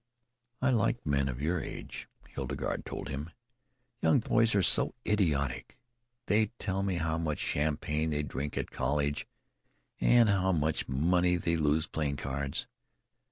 "I like men of your age," Hildegarde told him. "Young boys are so idiotic. They tell me how much champagne they drink at college, and how much money they lose playing cards.